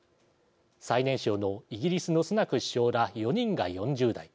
最年少のイギリスのスナク首相ら４人が４０代。